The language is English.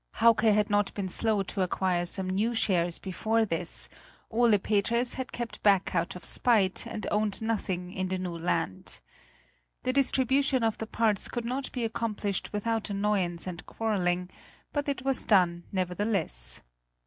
Hauke had not been slow to acquire some new shares before this; Ole Peters had kept back out of spite, and owned nothing in the new land. The distribution of the parts could not be accomplished without annoyance and quarreling; but it was done, nevertheless.